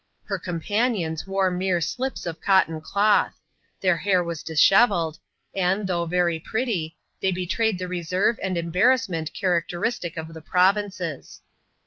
Her companions wore mere 8lips«of cotton cloth; their hair waa dishevelled; and, though very pretty, they betrayed the reserve and em barrassment characteristic of the provinces.